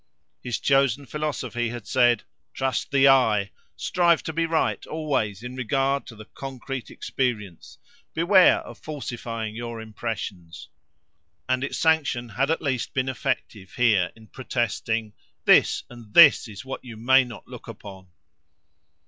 His chosen philosophy had said,—Trust the eye: Strive to be right always in regard to the concrete experience: Beware of falsifying your impressions. And its sanction had at least been effective here, in protesting—"This, and this, is what you may not look upon!"